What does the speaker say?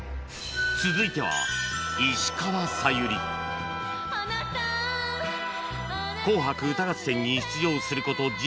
続いては『紅白歌合戦』に出場する事実に４５回